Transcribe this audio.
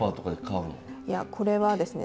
いやこれはですね